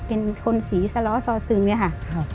เป็นคนสีสล้อซอซึงเนี่ยค่ะ